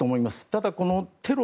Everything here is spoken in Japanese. ただ、テロ。